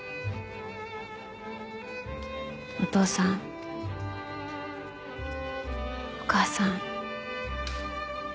お父さんお母さん